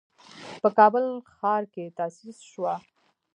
په کابل ښار کې تأسيس شوه.